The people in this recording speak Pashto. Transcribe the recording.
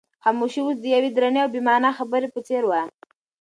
خاموشي اوس د یوې درنې او با مانا خبرې په څېر وه.